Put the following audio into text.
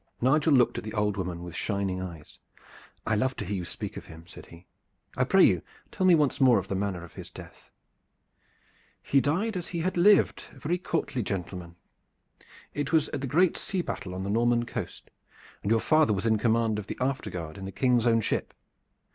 Nigel looked at the old woman with shining eyes. "I love to hear you speak of him," said he. "I pray you to tell me once more of the manner of his death." "He died as he had lived, a very courtly gentleman. It was at the great sea battle upon the Norman coast, and your father was in command of the after guard in the King's own ship.